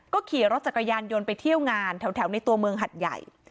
ขี่รถจักรยานยนต์ไปเที่ยวงานแถวในตัวเมืองหัดใหญ่